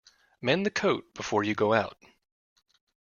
Mend the coat before you go out.